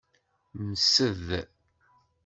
Msed.